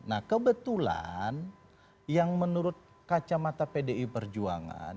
nah kebetulan yang menurut kacamata pdi perjuangan